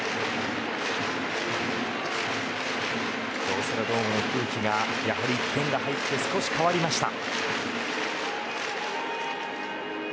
京セラドームの空気が１点が入って少し変わりました。